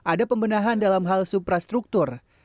ada pembenahan dalam hal suprastruktur